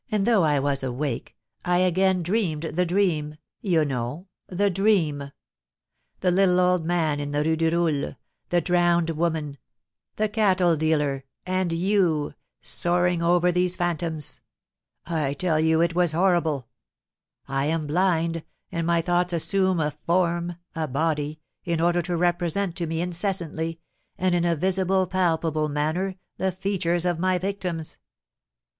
though I was awake, I again dreamed the dream you know the dream. The little old man in the Rue du Roule, the drowned woman, the cattle dealer, and you soaring over these phantoms! I tell you it was horrible! I am blind, and my thoughts assume a form, a body, in order to represent to me incessantly, and in a visible, palpable manner, the features of my victims.